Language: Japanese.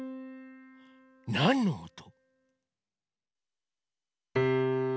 なんのおと？